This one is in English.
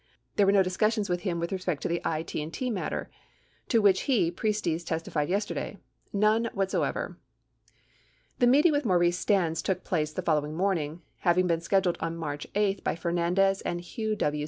There were no discussions with him with respect to the I.T. & T. matter, to which he (Priestes) testified yesterday. None whatsoever." 84 The meeting with Maurice Stans took place the following morning, having been scheduled on March 8 by Fernandez and Hugh W.